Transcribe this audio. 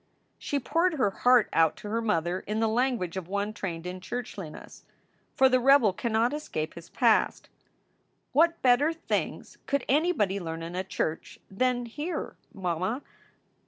She poured her heart out to her mother in the language of one trained in churchliness ; for the rebel cannot escape his past. "What better things could anybody learn in a church than here, mamma?